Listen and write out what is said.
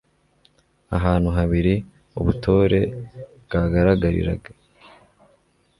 ahantu habiri ubutore bwagaragariraga